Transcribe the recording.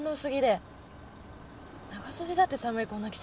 長袖だって寒いこの季節に。